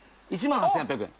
１万８，８００円。